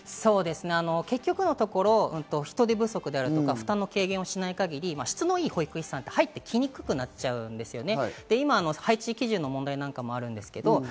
結局のところ人手不足とか、負担の軽減をしない限り、質のいい保育士さんって入ってきにくくなっちゃうんですよね。